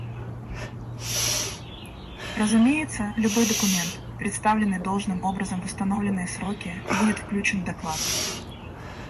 Разумеется, любой документ, представленный должным образом в установленные сроки, будет включен в доклад.